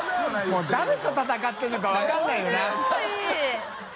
發誰と戦ってるのか分かんないよな。